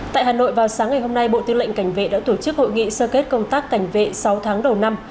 tại hà nội vào sáng ngày hôm nay bộ tư lệnh cảnh vệ đã tổ chức hội nghị sơ kết công tác cảnh vệ sáu tháng đầu năm